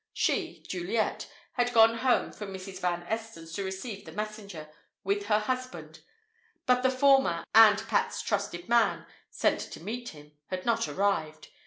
She Juliet had gone home from Mrs. Van Esten's to receive the messenger, with her husband. But the former and Pat's trusted man, sent to meet him, had not arrived.